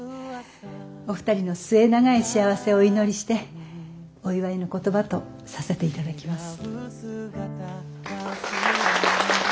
お二人の末永い幸せをお祈りしてお祝いの言葉とさせていただきます。